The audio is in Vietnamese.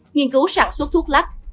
nghiên cứu sản xuất thuốc lắc